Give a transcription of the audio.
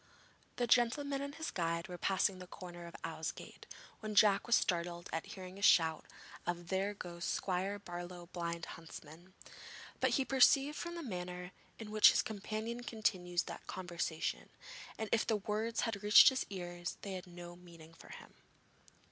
The gentleman and his guide were passing the corner of Ousegate, when Jack was startled at hearing a shout of 'There goes Squire Barlow's Blind Huntsman,' but he perceived from the manner in which his companion continued the conversation that if the words had reached his ears, they had no meaning for him.